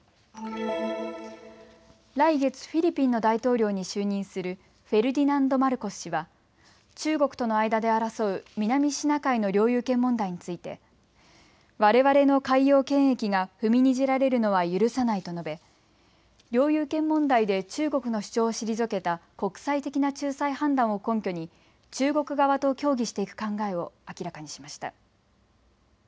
来月フィリピンの大統領に就任するフェルディナンド・マルコス氏は中国との間で争う南シナ海の領有権問題についてわれわれの海洋権益が踏みにじられるのは許さないと述べ領有権問題で中国の主張を退けた国際的な仲裁判断を根拠に中国側と協議していく考えを明らかにしました。